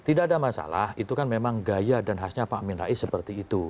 tidak ada masalah itu kan memang gaya dan khasnya pak amin rais seperti itu